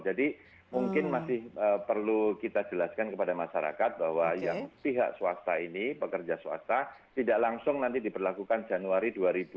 jadi mungkin masih perlu kita jelaskan kepada masyarakat bahwa yang pihak swasta ini pekerja swasta tidak langsung nanti diperlakukan januari dua ribu dua puluh